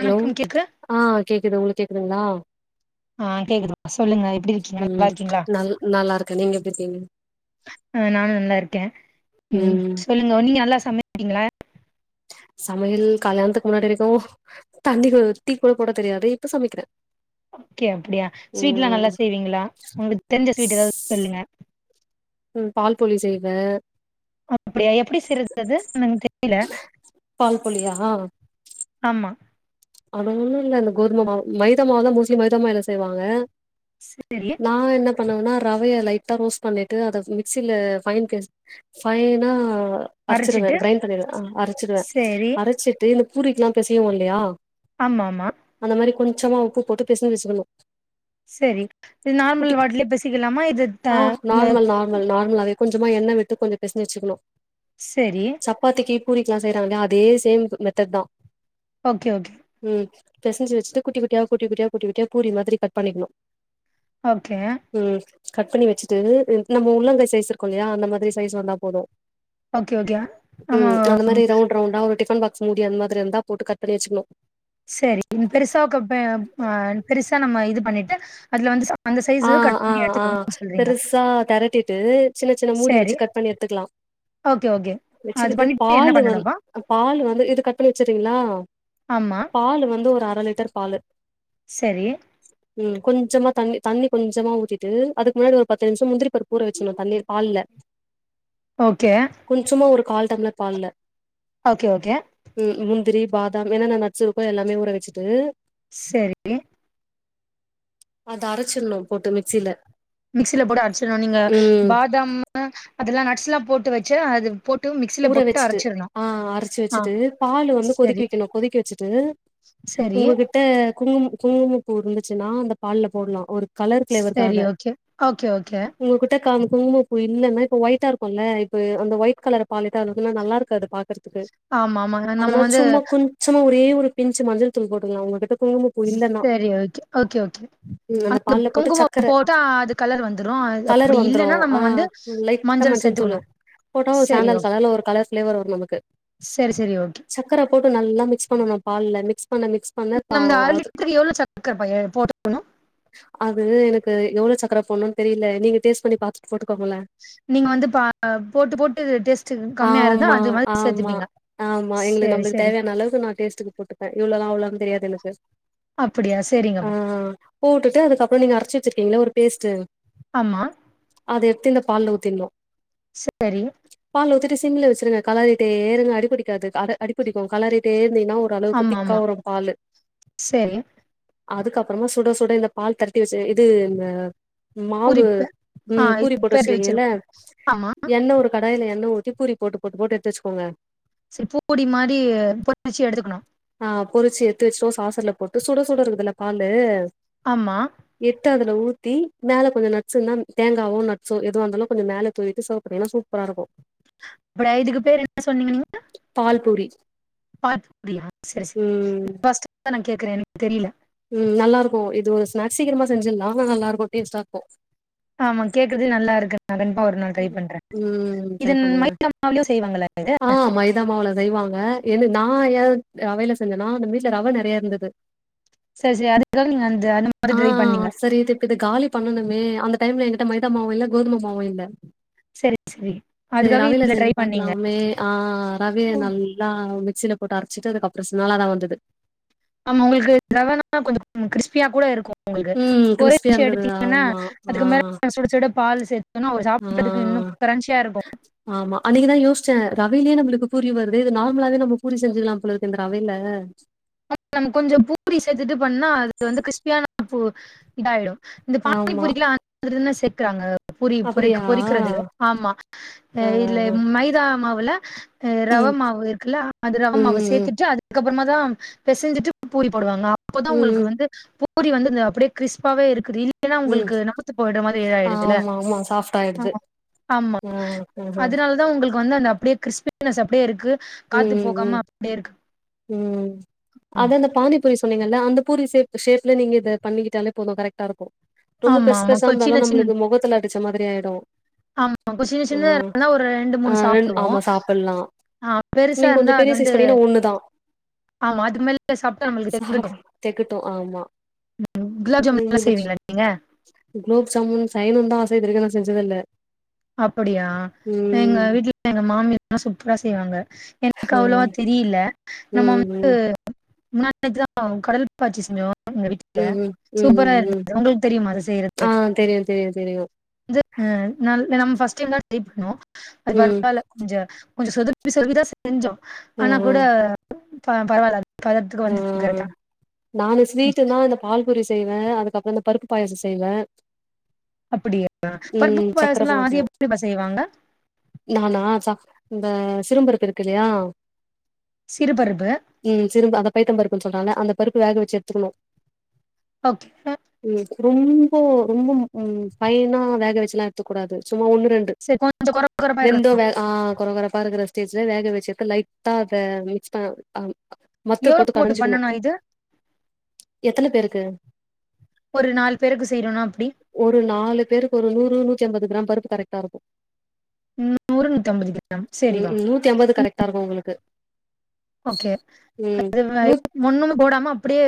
Hello வணக்கம் கேக்கு ஆ கேக்குது உங்குளுக்கு கேக்குதுங்களா ஆ கேக்குதுமா சொல்லுங்க எப்புடி இருக்கீங்க நல்லா ம் இருக்கீங்களா நல் நல்லா இருக்கே நீங்க எப்டி இருக்கீங்க ஆ நானு நல்லா இருக்கே ம் சொல்லுங்க நீங்க நல்லா சமைப்பீங்களா சமையல் கல்யாணத்துக்கு முன்னாடி வரைக்கோ தண்ணி கூ டீ கூட போட தெரியாது இப்ப சமைக்கிறே ஓகே அப்புடியா ஸ்வீட்லா ம் நல்லா செய்வீங்களா உங்குளுக்கு தெரிஞ்ச ஸ்வீட் எதாவது சொல்லுங்க ம் பால்பொழி செய்வே அப்படியா எப்படி செய்றது அது எனக்கு தெரியல பால் பொழியா ஆமா அது ஒண்ணு இல்ல இந்த கோதுமாவு மைத மாவுதா மோஸ்ட்லி மைதாமாவுல செய்வாங்க சேரி நா என்ன பண்ணுவேனா ரவைய லைட்டா ரோஸ்ட் பண்ணிட்டு அத மிக்சில்ல ஃபைன் பேஸ் ஃபைனா அரைச்சிடுவே அரச்சிட்டு க்ரைண்ட் பண்ணிடுவே ஆ அரைச்சிடுவே செரி அரைச்சிட்டு இந்த பூரிக்குலா பெசைவோ இல்லையா ஆமா ஆமா அந்த மாரி கொஞ்சமா உப்பு போட்டு பெசஞ்சு வச்சுக்கணு சரி இது நார்மல் குட்டி வார்ட்ல பேசிக்கலாமா இது தா [inaudible] ஆமா நார்மலாவே கொஞ்சமா எண்ண விட்டு கொஞ்ச பெசஞ்சு வச்சிக்கணு சரி சப்பாத்திக்கு பூரிக்கெலா செய்றோலயா அதே சேம் மெத்தட் தா ஓகே ஓகே ம் பெசஞ்சு வச்சுட்டு குட்டி குட்டியா குட்டி குட்டியா குட்டி குட்டியா பூரி மாதிரி கட் பண்ணிக்கணு ஓகே ம் கட் பண்ணி வச்சுட்டு நம்ம உள்ளங்கை சைஸ் இருக்கு இல்லையா அந்த மாதிரி சைஸ் வந்தா போது ஓகே ஓகே ம் ஆமா அந்த மாரி ரவுண்ட் ரவுண்டா ஒரு டிஃபன் பாக்ஸ் மூடி அந்த மாதிரி இருந்தா போட்டு கட் பண்ணி வச்சுக்கணு சரி பெருசா க பெ ஆ பெருசா நம்ம இது பண்ணிட்டு அதுல வந்து சா ஆ ஆ ஆ பெருசா தெரட்டிட்டு சின்ன சின்ன மூடி சரி வச்சு கட் பண்ணி எடுத்துக்கலா ஓகே ஓகே அது பண்ணிட்டு என்ன பண்ணனும்ப்பா பால்லு வந்து இது கட் பண்ணி வச்சிறீங்களா ஆமா பால்லு வந்து ஒரு அர லிட்டர் பால்லு சரி ம் கொஞ்சமா தண்ணி தண்ணி கொஞ்சமா ஊத்திட்டு அதுக்கு முன்னாடி ஒரு பத்து நிமிஷம் முந்திரி பருப்பு ஊற வச்சுணு தண்ணிர் பால்ல ஓகே கொஞ்சமா ஒரு கால் டம்ளர் பால்ல ஓகே ஓகே ம் முந்திரி பாதாம் என்னன்ன நட்ஸ் இருக்கோ எல்லாமே ஊற வச்சுட்டு சரி அது அரைச்சிணு போட்டு மிக்சியில மிக்சில போட்டு அரைச்சிறனு நீங்க பாதாம் அதெல்லா நட்ஸ்ல்லா போட்டு வச்சா அது போட்டு மிக்சி ஊற வச்சுட்டு ஆ அரைச்சு வச்சுட்டு பால் வந்து கொதிக்க சரி வைக்கணு கொதிக்க வச்சுட்டு சரி உங்ககிட்ட குங்கும குங்கும பூ இருந்துச்சுன்னா அந்த பால்ல போடலா ஒரு கலர் சரி ப்ளேவர்காக ஓகே ஓகே ஓகே உங்க கிட்ட காமிக்கு குங்குமப்பூ இல்லன்ன இப்ப ஒயிட்டா இருக்கும்ல்ல இப்ப அந்த ஒயிட் கலர் பாலிட்டால் அளவுக்கு நல்லாருக்காது பாக் [unintelligible] ஆமா ஆமா நம்ம அதனா வந்து சும்மா குஞ்சமா ஒரே ஒரு பிஞ்சு மஞ்சள் தூள் போட்டுகலா உங்ககிட்ட குங்குமப்பூ இல்லன்னா சரி ஓகே ஓகே ஓகே ம் அந்த பால்ல போட்டு சக்கர கும்குமம் போட்டா அது கலர் வந்துரு அது கலர் அப்டி வந்துரு இல்லன்னா ஆ நம்ம வந்து லைட்டா மஞ்சள் தூளு சேத்துக்கணு போட்டா ஒரு செரி சாண்டல் ஓகே கலர்ல ஒரு கலர் ப்ளேவர் வரு நமக்கு செரி செரி ஓகே சக் சக்கர போட்டு நல்லா மிக்ஸ் பண்ணணு பால்ல, மிக்ஸ் பண்ண மிக்ஸ் பண்ண பா நம்து அர அது லிட்டருக்கு எவ்ளோ சர்க்கர பா எ போட்டுக்கணு. அது எனக்கு எவ்ளோ சக்கர போட்ணுன்னு தெரில, நீங்க டேஸ்ட் பண்ணி பாத்துட்டு போட்டுக்கோங்களே. நீங்க வந்து பா போட்டு போட்டு டேஸ்ட் கம்மியா இருந்தா ஆமா, அது மாதிரி ஆமா, சேத்துப்பீங்க ஆமா எங்களுக்கு செரி நம்மளுக்கு செரி தேவையான அளவுக்கு நா டேஸ்ட்க்கு போட்டுபே இவ்ளோதா, அவ்ளோனு தெரியாது எனக்கு அப்டியா ஆ சேரிங்கமா போட்டுட்டு அதுக்கப்றோ நீங்க அரைச்சு வச்சிருக்கீங்களே ஒரு பேஸ்டு ஆமா அத எடுத்து இந்த பால்ல ஊத்திர்ன்னு சரி பால் ஊத்திட்டு சிம்ல வச்சிருங்க. கலரிட்டே இருங்க அடிபுடிக்காது, அட அடிபுடிக்கும் கலரிட்டே இருந்தீங்னா ஒரு ஒருஅளவுக்கு ஆமா திக்கா ஆமா வரு பாலு செரி அதுக்கப்பறமா சுட சுட இந்த பால் தரட்டி வச்சு இது மாவு பூரிப்பு ஆ ம் பூரி போட்டு பெரட்டி வச்சுருக்கீங்கல்ல வச்சிருக்கோ ஆமா எண்ண ஒரு கடாய்ல எண்ண ஊத்தி பூரி போட்டு போட்டு போட்டு எடுத்து வச்சுக்கோங்க. சேரி பூரி மாரி பொரிச்சு எடுத்துக்கணு. ஆ பொரிச்சு எடுத்து வச்சு ஒரு சாசர்ல போட்டு சுட சுட இருக்குதுல்ல பாலு ஆமா எடுத்து அதுல ஊத்தி மேல கொஞ்சோ நட்ஸ் இருந்தா, தேங்காவோ நட்ஸோ எதுவா இருந்தாலு கொஞ்சோ மேல தூவிட்டு சர்வ் பண்ணிங்கனா சூப் பரா இருக்கு. அப்டியா இதுக்கு பேர் என்ன சொன்னீங்க நீங்க பால்பூரி பாத் பூரியா சேரி சேரி ஃபஸ்ட் இப்பதா நா கேக்குறே. எனக்கு தெரியில ம் நல்லா இருக்கு. இது ஒரு ஸ்நாக்ஸ் சீக்கிரமா செஞ்சிட்லா ஆனா நல்லா இருக்கு, டேஸ்ட்டா இருக்கு. ஆமா கேக்குறதே நல்லா இருக்கு நா கண்டிப்பா ஒரு நாள் ட்ரை பண்றே. ம் ட்ரை இத பண்ணுங்க மைதா மாவுலயு செய்வாங்களா இத. ஆ மைதா மாவுல செய்வாங்க. என்ன நா ஏ ரவையில செஞ்சன்னா அந்த வீட்ல ரவை நெறையா இருந்தது. சரி சரி அதுக்காக நீங்க அந்த அந்த மாதிரி ஆ, ட்ரை பண்ணீங்க சரி இது இப்ப இது காலி பண்ணனுமே அந்த டைம்ல எங்கிட்ட மைதா மாவும் இல்ல, கோதும மாவும் இல்ல. செரி செரி சேரி ரவைல செஞ்சு பாக்கலாமே ஆ, ரவைய ம். நல்லா மிக்சில போட்டு அரைச்சிட்டு, அதுக்கப்றோ செஞ்ச நல்லாதா வந்துது. ஆமா உங்களுக்கு ரவைனா கொஞ்சோ கிறிஸ்பியா கூட இருக்கு உங்களுக்கு ம் கிறிஸ்பியா பொரிச்சு இருந்தது. எடுத்தீங்கன்னா ஆமா. ஆ, அதுக்கு மேல சுட சுட பால் சேத்தோம்னா ஒரு ஆ, சாப்ட்டதுக்கு இன்னு கிரென்சியா இருக்கு. ஆமா அன்னைக்குதா யோசிச்சே ரவையிலே நம்மளுக்கு பூரி வருதே, இது நார்மலாவே நம்ம பூரி செஞ்சுர்லா போல இருக்கு இந்த ரவைல நம்ம கொஞ்சோ பூரி சேத்துட்டு பண்ணா அது வந்து கிறிஸ்பியானா பூ இது ஆயிடு. இந்த ஆமா. பானிப்பூரிக்குலா அது மாதிரிதான சேக்குறாங்க. பூரி பொரிக் அப்படியா? பொரிக்கறது ஆமா அ ஆ, ஆ, இல்ல ஆ. மைதா மாவுல அ ரவ ம், மாவு இருக்குல்ல அது ரவ ம், மாவு ம், சேத்துட்டு அது க்கப்பறமாதா பெசஞ்சிட்டு பூரி போடுவாங்க அப்போதா ம், ம், உங்களுக்கு ம். வந்து பூரி வந்து அந்த அப்டியே கிறிஸ்பாவே இருக்குது இல் ஏன்னா ம். உங்களுக்கு நமத்து போயிடற மாதிரி ஆயிடுதுல ஆமா ஆமா சாஃப்ட் ஆயிடுது ஆமா ஆமா, ஆ ஆஹா அதனாலதா உங்களுக்கு வந்து அந்த அப்டியே கிறிஸ்பினஸ் அப்டியே இருக்கு காத்து ம் ம் போகாம அப்டியே இருக்கு ம் ம் அதா அந்த பானிப்பூரி சொன்னீங்கல அந்த பூரி ஷேப் ஷேப்ல நீங்க இத பண்ணிக்கிட்டாலே போது கரெக்டா இருக்கு ரொம்ப ஆமா பெருசு ஆமா பெருசா கொ சின்ன இருந்தாலு சின்ன நம்மளுக்கு முகத்துல அடிச்ச மாதிரி ஆயிடு ஆமா இப்போ சின்ன சின்னதா ம் இருந்தா ஒரு ரெண்டு ஆ மூணு ரெண் சாப்பிடுவோ ஆமா சாப்பல்லா ஆ பெருசா இருந்தா அது வந்து ஒண்ணு தா ஆமா அது மேல சாப்பிட்டா நம்மளுக்கு சாப் தெட்டிடு தெகட்டு ஆ ம் குலாப் ஜாமுன் எல்லா செய்வீங்களா நீங்க குலோப் ஜாமூன் செய்யணுன்னு தா ஆச இது வரைக்கு நா செஞ்சது இல்ல அப்டியா எங்க வீட்டுல எங்க மாமில்லா சூப்பரா செய்வாங்க எனக்கு அவ்வளவா ம் தெ ரியில்ல நம்ம ம் ம் வந்து ம் முன்னாநேத்து தா கடல் பாச்சி செஞ்சோ எங்க வீட்டுல ம் ம் சூப்பரா ம் ம் இருந்தது உங்களுக்கு தெரியுமா அது ஆ செய்யறதுக்கு தெரியு தெரியு தெரியு ந்து அ நல் நம்ம ஃப்ஸ்டே வந்து ட்ரைப் பண்ணோ அது ம் பரவாயில்ல கொஞ்ச கொஞ்ச சொதப் [unintelligible] செஞ்சோம் ஆ ஆனா ஆ கூட ப பரவாயில்ல ஆ நானு ம் ஸ்வீட்டுன்னா இந்த பால்பூரி செய்வே அதுக்கப்புற இந்த பருப்பு பாயசம் செய்வே அப்டியா பருப்பு ம் சக்கர பாயசம்ல்லா அ பாயாசோ [unintelligible] செய்வாங்க நானா ச இந்த சிறும் பருப்பு இருக்கு இல்லையா சிறுபருப்பு ம் சிரும் அந்த பைத்தம் பருப்புன்னு சொல்றாங்க அந்த பருப்பு வேக வச்சு எடுத்துக்கணு ஓகே ம் ரொம்போ ரொம்ப பைனா வேக வச்சுல்லா எடுத்துக்க கூடாது சும்மா ஒன்னு ரெண் டு சரி கொஞ்ச கொர கொரப்பா இருக்கணு வெந்தோ வேக ஆ கொரகொரப் பா இருகுற ஸ்டேஜ்ல வேக வச்சி எடுத்து லைட்டா அத மிக்ஸ் ப அ த்து எவ்ளோ போட்டு கடைஞ்சிக்கணு பண்ணனு இது எத்தனை பேருக்கு ஒரு நாலு பேருக்கு செய்யறனா அப்டி ஒரு நாலு பேருக்கு ஒரு நூறு நூத்தம்பது கிராம் பருப்பு கரெக்டா இருக்கு நூறு நூத்தி ஐம்பது கிராம் சரிவா நுத்தி ஐம்பது கரெக்டா இருக்கு உங்களுக்கு ஓகே ம் அது நூத் ஒண்ணுமே போடாம அப்டியே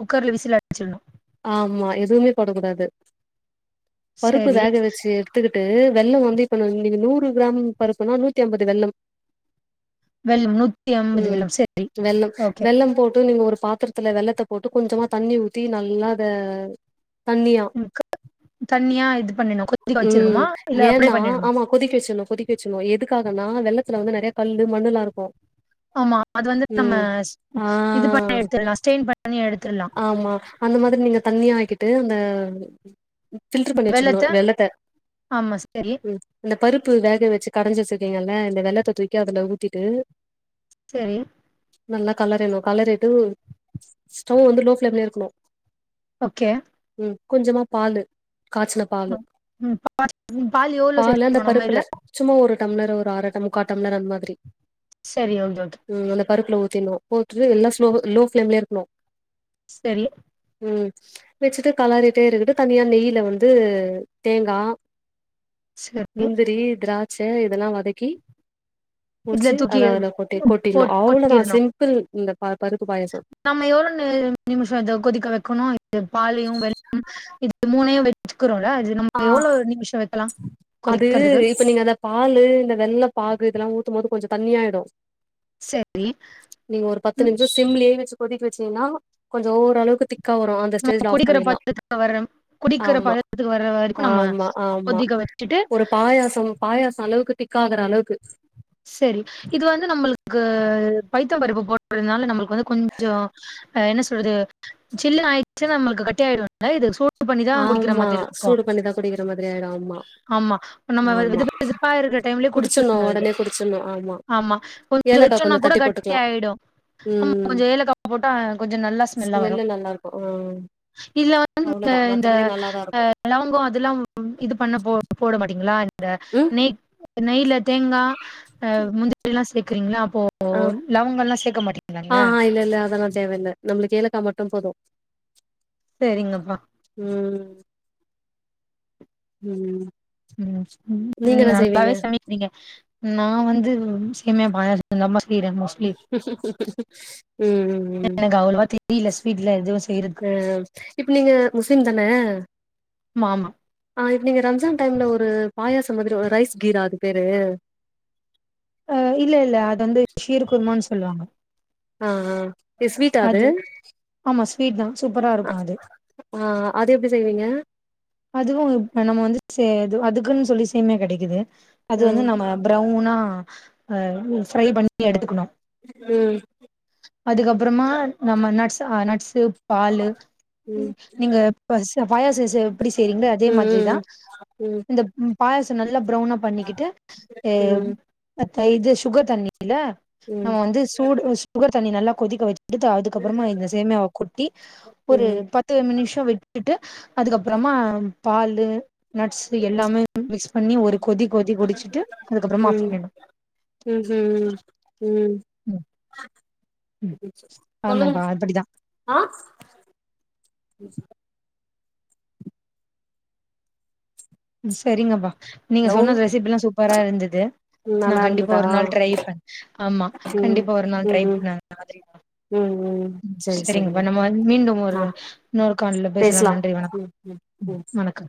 குக்கர்ல விசில அடிச்சிடணு ஆமா எதுவுமே போடக்க கூடாது பருப்பு சரி வேக வச்சு எ த்துக்கிட்டு வெல்லம் வந்து இப்ப நீ நூறு கிராம் பருப்புனா நூத்தி அம்பது வெல்லம் வெல்லம் நூத்தி ஐம்பது ம் வெல்லம் சரி வெல்லம் ஓகே வெல்லம் போட்டு நீங்க ஒரு பாத்திர த்துல வெல்லத்த போட்டு கொஞ்சமா தண்ணி ஊத்தி நல்லா அத தண்ணியா க தண்ணியா இது பண்ணணு ம் ஏன்னா ஆமா கொதிக்க செச்சரணு கொதிக்க வச்சுரணு எதுக்காகன்னா வெல்லத்துல வந்து நெறைய கல்லு மண்ணு எல்லா இருக்கு ஆமா அது வந்து நம்ம ம் ஆ இது பண்ணி எடுத்துரலா ஸ்டெயின் பண்ணி எடுத்துரலா ஆமா அந்த மாதிரி நீங்க தண்ணியா ஆக்கிட்டு அந்த பில்டர் பண்ணி வச்சுக்கணு வெல்லத்த ஆமா சரி ம் இந்த பருப்பு வேக வச்சு கடைஞ்சி வச்சிருக்கீங்கள இந்த வெல்லத்த தூக்கி அதுல ஊத்திட்டு சரி நல்ல கெளரிணு கெளரிட்டு ஸ்டவ் வந்து லோ ஃப்ளேல இருக்கணு ஓகே ம் கொஞ்சமா பாலு காச்சன பாலு எவ்வளவு பால் அந்த சேர்த்துக்கணும் நம்ம பருப்புல இதுல சும்மா ஒரு டம்ளர் ஒரு அர முக்கா டம்ளர் அந்த மாதிரி சரி ஓன் சொல்ட்டு ம் அந்த பருப்புல ஊத்திட்ணு போட்டு எல்ல ஸ்லோ லோ ஃப்ளேம்லயே இருக்ணு செல்லு ம் வச்சுட்டு களறிட்டே இருக்கட்டு தனியா நெய்யில வந்து தேங்கா [inaudible] முந்திரி திராட்ச இதெல்லா வதக்கி இதுல முடிச்சு அத தூக்கி அதல கொட்டி கொட்டிட்ணு போட் அவ்ளோதா கொட்டிடணும் சிம்பிள் இந்த ப பருப்பு பாயாச நம்ம எவ்ளோ நேர நிமிஷ அத கொதிக்க வக்கணு இது பாலையு வெல்லமு இது மூனயு வச்சுக்கிறோம்ல இது ஆ நம்ம எவ்ளோ நிமிஷ வைக்கலா அது கொதிக்கிறதுக்கு இப்ப நீங்க அந்த பாலு இந்த வெல்ல பாகு இதெல்லா ஊத்து போது கொஞ்சோ தண்ணி ஆய்டு செரி நீங்க ஒரு பத்து நிமிஷ சிம்லயே வச்சு கொதிக்க வச்சீங்கன்னா கொஞ்சோ ஓரளவுக்கு திக்கா வரு அந்த நம்ம ஸ்டேஜ்ல ஆஃப் குடிக்கிற பண்ணிட்லா பதத்துக்கு வர்ற குடிக்கிற ஆமா பதத்துக்கு வர்ற வரைக்கு நம்ம ஆமா ஆமா கொதிக்க வச்சுட்டு ஒரு பாயாசம் பாயாச அளவுக்கு திக்காகற அளவுக்கு செரி இது வந்து நம்மளுக்கு பைத்தம் பருப்பு போடுறதுனால நம்மளுக்கு வந்து கொஞ்சோ என்ன சொல்றது ஜில்லுனு ஆய்ச்சுனா நம்மளுக்கு கட்டி ஆய்டு அத இது சூடு பண்ணிதா குடிக்கிற ஆமா மாதிரி இருக்கு சூடு பண்ணிதான் குடிக்கிற மாதிரி ஆயிடும் ஆமா ஆமா நம்ம ஆமா வெது வெதுப்பா இருக்கிற டைம்லயே குடிச்சிடணு குடிச்சிருனு இத உடனே குடிச்சிடணு ஆமா கொஞ்சோ ஏலக்கா வச்சோனா கூட தட்டி கட்டி போட்டுக்கலா ஆய்டு ஆமா ம் கொஞ்சோ ஏலக்கா போட்டா கொஞ்சோ நல்லா ஸ்மெல்லா வரு ஸ்மெல்லு நல்லா இருக்கு ஆ இல்ல வந்து இந்த அவ்ளோதா இந்த மத்தபடி நல்லாதா இருக்கு அ லவங்க அதெல்லா இது பண்ண போ போட மாட்டீங்களா இந்த ம் நெ நெய்ல தேங்கா அ முந்திரிலா சேக்குறீங்கள அப்போ ம் லவங்கல்லா சேக்க மாட்டீங்களா ஆ நீங்க ஹ இல்லல்ல அதலா தேவையில்ல நம்மளுக்கு ஏலக்கா மட்டு போது சரிங்கப்பா ம் ம் ம் நீங்க என்ன செய்வீங்க நல்லாவே சமை நீங்க நா வந்து சேமியா பாயாசதாம்மா செய்ற மோஸ்ட் ம் ம் இது அவ்ளோவா தி வீட்ல ஸ்வீட்லா எதுவு செய்றது ஆ இப்ப நீங்க முஸ்லிம் தான ஆமா ஆமா ஆ இப்ப நீங்க ரம்ஜான் டைம்ல ஒரு பாயாச மாதிரி ஒரு ரைஸ் கீரா அது பேரு அ இல்ல இல்ல அது வந்து ஷீர் குருமான் சொல்லுவாங்க ஆ ஆ பெஸ்வீட்டாது அது ஆமா ஸ்வீட் தா சூப்பரா இருக்கு அது ஆ அதெப்டி செய்வீங்க அதுவு நம்ம வந்து அதுக்குன் சொல்லி சேமியா கெடைக்குது அது வந்து ம் நம்ம பிரவுனா அ ஃப்ரை பண்ணி எடுத்துக்கணு ம் அதுக்கப்பறமா நம்ம நட்ஸ் ஆ நட்ஸ் இது பாலு ம் நீங்க பஸ்ச பாயச செய் எப்டி செய்றீங்ளோ அதே ம் மாதிரி தா ம் ம் இந்த ம் பாயச நல்லா ப்ரௌனா பண்ணிக்கிட்டு எ ம் மத்த இது சுகர் தண்ணியில ம் நம்ம வந்து சூடு ம் சுகர் தண்ணி நல்லா கொதிக்க வச் அடுத்து அதுக்கப்பறமா இந்த சேமியாவ கொட்டி ஒரு பத்து நிமிஷ விட்டுட்டு அதுகப் அப்றமா பாலு நட்ஸு எல்லாமே மிஸ் பண்ணி ஒரு கொதி கொதி குடிச்சிட்டு அதுக்கப்பறமா ஆஃப் ம் பண்ணிற்னு ம் ஹிம் ம் ம் சொல்லுங்க ஆமாப்பா அப்படிதா ஆ ம் செரிங்கப்பா நீங்க ஹலோ சொன்ன ரெசிபிலா சூப்பரா இருந்தது நா நல்லா கண்டிப்பா இருந்ததா ஒரு நாள் ட்ரை பண் ஆமா ம் கண்டிப்பா ஒரு நாள் ம் ட்ரை ம் பண்றே அந்த மாதிரி ம் ம் ம் சரி செரிங்கப்பா சரிங்க நம்ம வந்து மீண்டும் ஒரு ஆ இன்னொரு கால்ல பேசலா நன்றி வணக்க ம் வணக்க